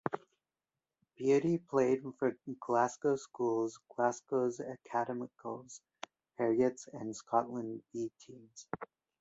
Beattie played for Glasgow Schools, Glasgow Academicals, Heriot's and Scotland B teams.